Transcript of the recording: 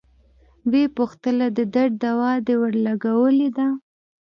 ويې پوښتله د درد دوا دې ورلګولې ده.